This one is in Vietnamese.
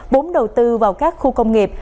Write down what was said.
vốn đầu tư vào các khu công nghiệp